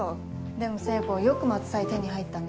でも聖子よく松祭手に入ったね。